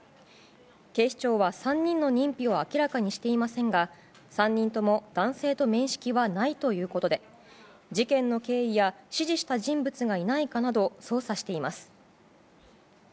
警視庁は、３人の認否を明らかにしていませんが３人とも男性と面識はないということで事件の経緯や指示した人物がいないかなどを捜査しています。